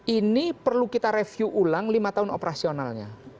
ini perlu kita review ulang lima tahun operasionalnya